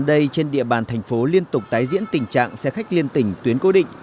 đây trên địa bàn thành phố liên tục tái diễn tình trạng xe khách liên tỉnh tuyến cố định